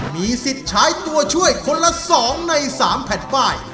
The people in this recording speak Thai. มีสิทธิ์ใช้ตัวช่วยคนละ๒ใน๓แผ่นป้าย